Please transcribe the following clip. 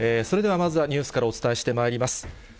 それではまずはニュースからお伝えしてまいります。